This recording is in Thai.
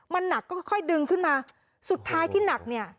มันหนักก็ค่อยค่อยดึงขึ้นมาสุดท้ายที่หนักเนี่ย